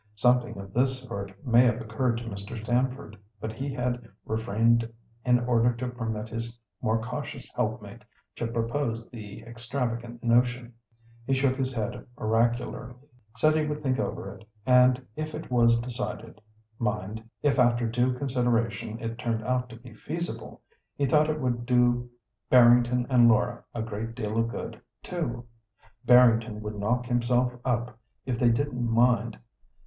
Something of this sort may have occurred to Mr. Stamford, but he had refrained in order to permit his more cautious helpmate to propose the extravagant notion. He shook his head oracularly, said he would think over it, and if it was decided—mind, if after due consideration it turned out to be feasible—he thought it would do Barrington and Laura a great deal of good too. Barrington would knock himself up if they didn't mind.